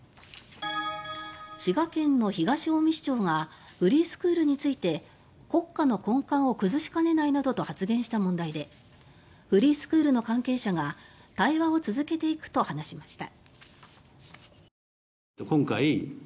滋賀県の東近江市長がフリースクールについて国家の根幹を崩しかねないなどと発言した問題でフリースクールの関係者が対話を続けていくと話しました。